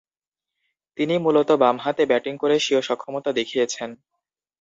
তিনি মূলতঃ বামহাতে ব্যাটিং করে স্বীয় সক্ষমতা দেখিয়েছেন।